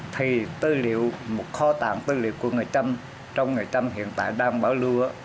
thì tư liệu một kho tàng tư liệu của người trăm trong người trăm hiện tại đang bảo lưu